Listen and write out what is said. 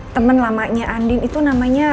temen lamanya andin itu namanya